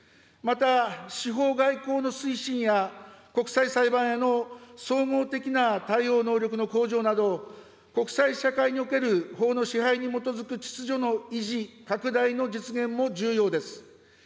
また、司法外交の推進や、国際裁判への総合的な対応能力の向上など、国際社会における法の支配に基づく秩序の維持・拡大の実現も重要です。